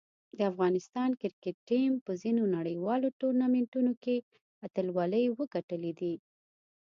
د افغانستان کرکټ ټیم په ځینو نړیوالو ټورنمنټونو کې اتلولۍ وګټلې دي.